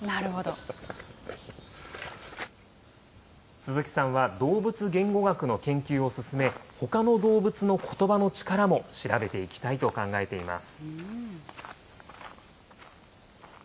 鈴木さんは動物言語学の研究を進め、ほかの動物のことばの力も調べていきたいと考えています。